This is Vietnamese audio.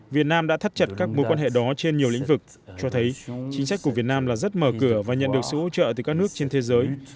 việt nam đã thắt chặt các mối quan hệ đó trên nhiều lĩnh vực cho thấy chính sách của việt nam là rất mở cửa và nhận được sự hỗ trợ từ các nước trên thế giới